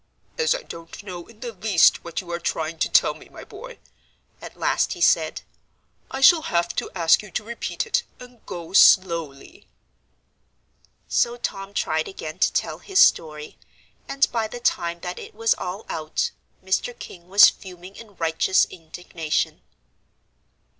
"As I don't know in the least what you are trying to tell me, my boy," at last he said, "I shall have to ask you to repeat it, and go slowly." So Tom tried again to tell his story, and by the time that it was all out, Mr. King was fuming in righteous indignation.